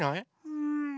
うん。